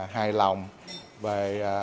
hài lòng về